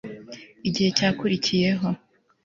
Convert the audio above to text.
Igihe cyakurikiyeho